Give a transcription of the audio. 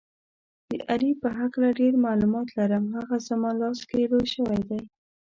د علي په هکله ډېر معلومات لرم، هغه زما لاس کې لوی شوی دی.